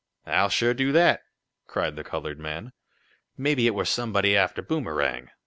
"I'll sure do dat!" cried the colored man. "Mebby it were somebody arter Boomerang!